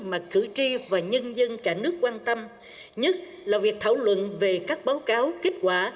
mà cử tri và nhân dân cả nước quan tâm nhất là việc thảo luận về các báo cáo kết quả